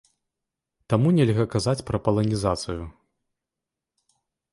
Таму нельга казаць пра паланізацыю.